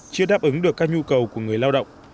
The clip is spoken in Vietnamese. chưa đáp ứng được các nhu cầu của người lao động